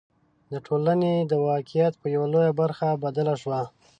د ټولنې د واقعیت په یوه لویه برخه بدله شوه.